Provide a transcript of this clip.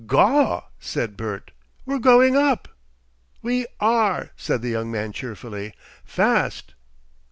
"Gaw!" said Bert. "We're going up!" "We are!" said the young man, cheerfully; "fast!"